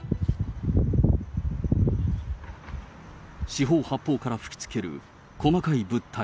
四方八方から吹きつける細かい物体。